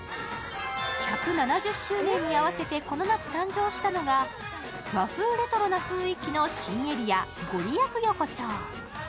１７０周年に合わせてこの夏誕生したのが和風レトロな雰囲気の新エリア、ご利益横丁。